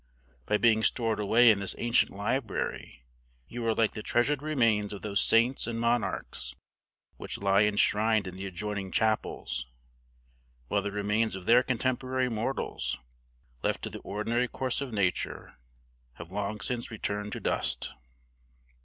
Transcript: By being stored away in this ancient library you are like the treasured remains of those saints and monarchs which lie enshrined in the adjoining chapels, while the remains of their contemporary mortals, left to the ordinary course of Nature, have long since returned to dust."